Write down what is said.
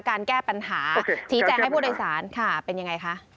การแก้ปัญหาชี้แจงให้ผู้โดยสารค่ะเป็นยังไงคะ